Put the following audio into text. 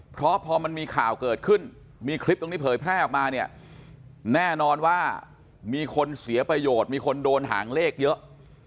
เพราะพอมันมีข่าวเกิดขึ้นมีคลิปตรงนี้เผยแพร่ออกมาเนี่ยแน่นอนว่ามีคนเสียประโยชน์มีคนโดนหางเลขเยอะ